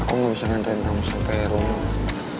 aku mau ngantriin kamu sampai rumah